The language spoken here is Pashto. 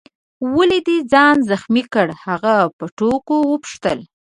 ولي دي ځان زخمي کړ؟ هغه په ټوکو وپوښتل.